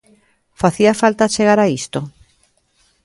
¿Facía falta chegar a isto?